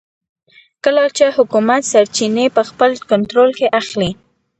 کله چې حکومت سرچینې په خپل کنټرول کې اخلي.